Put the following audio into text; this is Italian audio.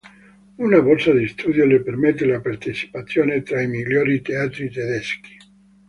Una borsa di studio le permette la partecipazione tra i migliori teatri tedeschi.